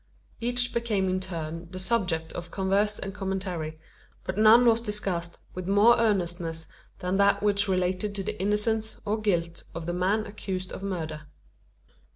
Each became in turn the subject of converse and commentary, but none was discussed with more earnestness than that which related to the innocence, or guilt, of the man accused of murder.